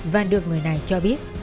và được người này cho biết